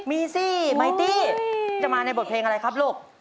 มีสิไมตี้จะมาในบทเพลงอะไรครับลูก